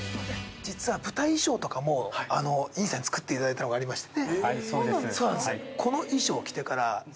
実は舞台衣装も尹さんに作っていただいたのがありまして。